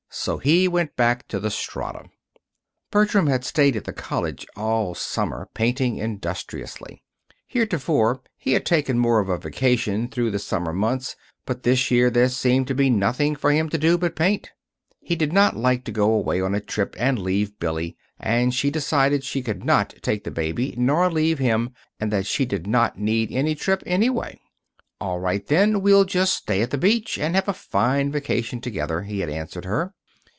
So he went back to the Strata. Bertram had stayed at the cottage all summer, painting industriously. Heretofore he had taken more of a vacation through the summer months, but this year there seemed to be nothing for him to do but to paint. He did not like to go away on a trip and leave Billy, and she declared she could not take the baby nor leave him, and that she did not need any trip, anyway. "All right, then, we'll just stay at the beach, and have a fine vacation together," he had answered her.